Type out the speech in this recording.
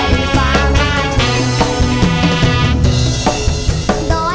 ยังเพราะความสำคัญ